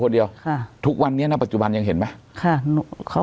คนเดียวค่ะทุกวันนี้นะปัจจุบันยังเห็นไหมค่ะเขา